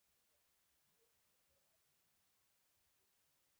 د غنمو خاوند د تولید وخت سنجوي.